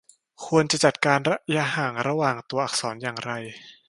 ควรจะจัดการระยะห่างระหว่างตัวอักษรอย่างไร